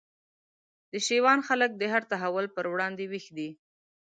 د شېوان خلک د هر تحول پر وړاندي ویښ دي